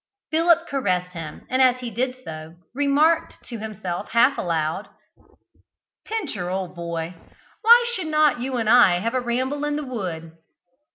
Philip caressed him, and as he did so, remarked to himself half aloud: "Pincher, old boy, why should not you and I have a ramble in the wood?"